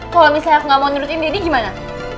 kalau misalnya aku gak mau menurutin daddy gimana